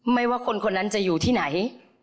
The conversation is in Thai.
ไม่ว่าคนคนนั้นจะอยู่ที่ไหน